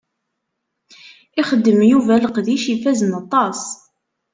Ixdem Yuba leqdic ifazen aṭas.